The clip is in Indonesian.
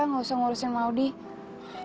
gak usah ngurusin maudie